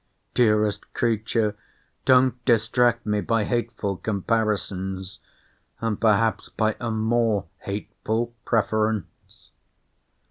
Dearest creature! don't distract me by hateful comparisons! and perhaps by a more hateful preference.